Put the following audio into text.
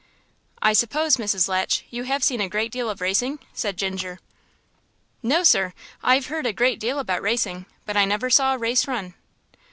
"I suppose, Mrs. Latch, you have seen a great deal of racing?" said Ginger. "No, sir. I've heard a great deal about racing, but I never saw a race run."